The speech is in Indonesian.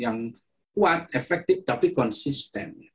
yang kuat efektif tapi konsisten